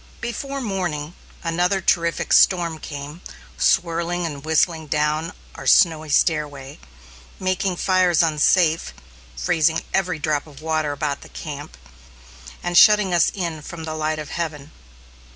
Before morning, another terrific storm came swirling and whistling down our snowy stairway, making fires unsafe, freezing every drop of water about the camp, and shutting us in from the light of heaven.